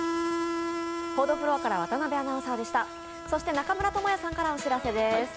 中村倫也さんからお知らせです。